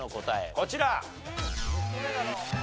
こちら。